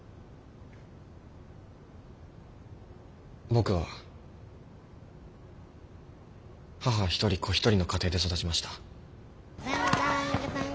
僕は母一人子一人の家庭で育ちました。